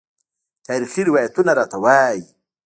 تاریخي روایتونه راته وايي.